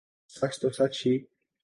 سچ تو سچ ہی